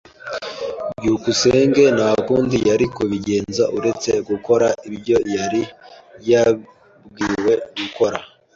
byukusenge nta kundi yari kubigenza uretse gukora ibyo yari yabwiwe gukora.